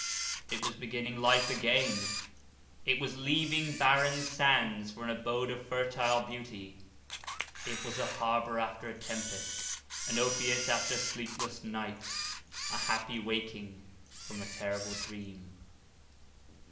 It was beginning life again; it was leaving barren sands for an abode of fertile beauty; it was a harbour after a tempest, an opiate after sleepless nights, a happy waking from a terrible dream.